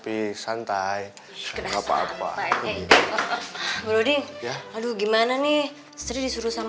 ini adalah baju l